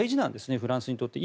フランスにとっては。